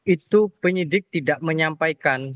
itu penyidik tidak menyampaikan